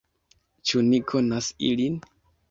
Ĉu ni konas ilin?